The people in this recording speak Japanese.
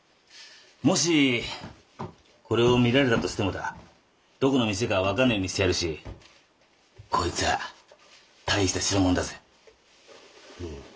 もしこれを見られたとしてもだどこの店か分かんねえようにしてあるしこいつは大した代物だぜ。